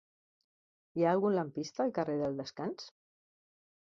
Hi ha algun lampista al carrer del Descans?